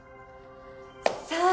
さあ